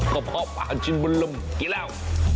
กะเพาะปลาชิ้นบนลมกินแล้ว